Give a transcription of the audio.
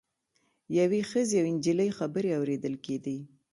یوې ښځې او نجلۍ خبرې اوریدل کیدې.